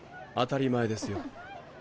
当たり前ですよ。